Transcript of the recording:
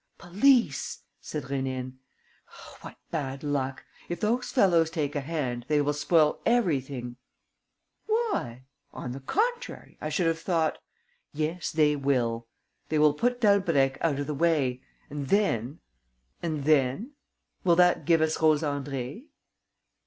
"Police!" said Rénine. "What bad luck! If those fellows take a hand, they will spoil everything." "Why? On the contrary, I should have thought...." "Yes, they will. They will put Dalbrèque out of the way ... and then? Will that give us Rose Andrée?"